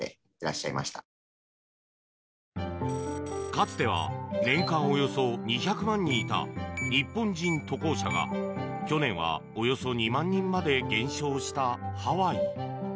かつては年間およそ２００万人いた日本人渡航者が去年はおよそ２万人まで減少したハワイ。